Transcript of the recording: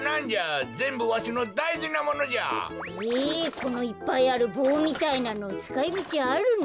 このいっぱいあるぼうみたいなのつかいみちあるの？